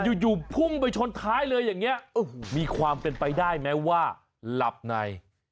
อยู่พุ่งไปชนท้ายเลยอย่างนี้โอ้โหมีความเป็นไปได้ไหมว่าหลับใน